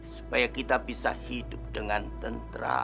supaya kita bisa hidup dengan tentra